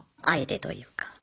あえてというか。